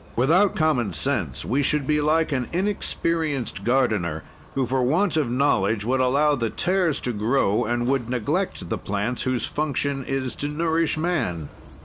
"Without common sense we should be like an inexperienced gardener, who, for want of knowledge, would allow the tares to grow and would neglect the plants whose function is to nourish man.